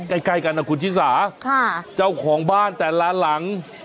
ใกล้ใกล้กันนะคุณชิสาค่ะเจ้าของบ้านแต่ละหลัง